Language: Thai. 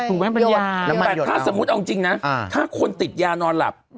แต่ถ้าสมมุติเอาจริงนะถ้าคนติดยานอนหลับ